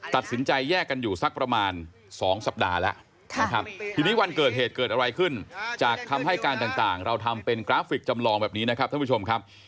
ตัดสินใจแยกกันอยู่สักประมาณ๒สัปดาห์แล้วนะครับทีนี้วันเกิดเหตุเกิดอะไรขึ้นจากคำให้การต่างเราทำเป็นกราฟิกจำลองแบบนี้นะครับท่านผู้ชมครับ